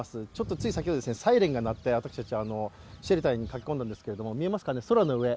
つい先ほどサイレンが鳴って、私たち、シェルターに駆け込んだんですが、見えますか、空の上。